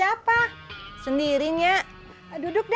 sampai jumpa ok